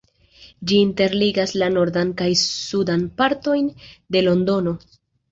Ĝi interligas la nordan kaj sudan partojn de Londono.